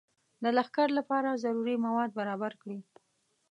د لښکر لپاره ضروري مواد برابر کړي.